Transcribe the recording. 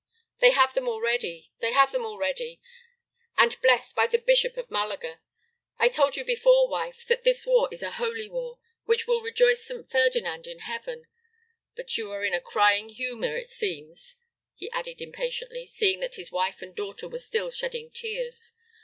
"They have them already, they have them already, and blessed by the bishop of Malaga. I told you before, wife, that this war is a holy war, which will rejoice St. Ferdinand in heaven. But you are in a crying humor, it seems," he added impatiently, seeing that his wife and daughter were still shedding tears.